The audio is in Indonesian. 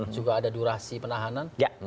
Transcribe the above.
juga ada durasi penahanan